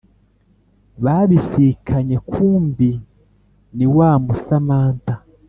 babisikanye kumbe niwa musamantha